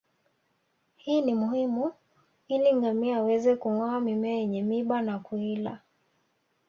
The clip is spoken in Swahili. Hii ni muhimu ili ngamia aweze kungoa mimea yenye miiba na kuila